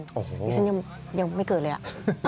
ดีจนยังไม่เกิดเลยอะ